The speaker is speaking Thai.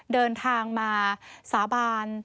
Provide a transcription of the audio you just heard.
เดินทางมาสาบาน